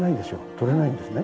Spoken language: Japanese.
通れないんですね。